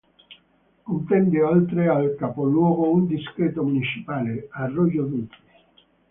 Comprende, oltre al capoluogo, un distretto municipale: Arroyo Dulce.